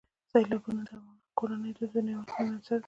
سیلابونه د افغان کورنیو د دودونو یو مهم عنصر دی.